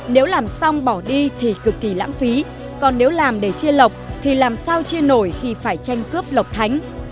nếu làm xong bỏ đi thì cực kỳ lãng phí còn nếu làm để chia lọc thì làm sao chia nổi thì phải tranh cướp lộc thánh